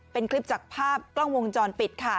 เป็นคลิปจากภาพกล้องวงจรปิดค่ะ